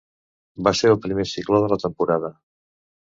Va ser el primer cicló de la temporada.